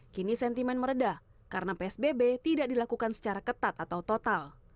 kini sentimen meredah karena psbb tidak dilakukan secara ketat atau total